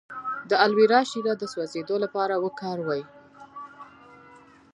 د الوویرا شیره د سوځیدو لپاره وکاروئ